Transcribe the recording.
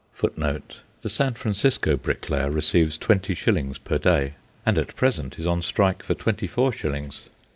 The San Francisco bricklayer receives twenty shillings per day, and at present is on strike for twenty four shillings.